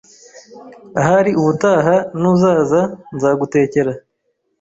Ahari ubutaha nuzaza nzagutekera